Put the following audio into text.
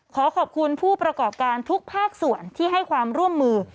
ขอขอบคุณผู้ประกอบการทุกภาคส่วนที่ให้ความร่วมมือ